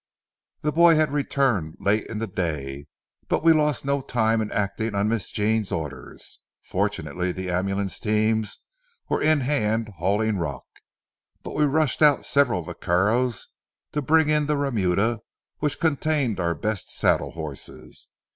The boy had returned late in the day, but we lost no time in acting on Miss Jean's orders. Fortunately the ambulance teams were in hand hauling rock, but we rushed out several vaqueros to bring in the remuda which contained our best saddle horses.